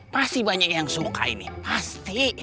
pasti banyak yang suka ini pasti